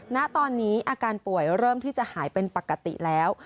ณตอนนี้อาการป่วยเริ่มที่จะหายเป็นปกติแล้ว